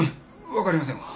分かりませんわ。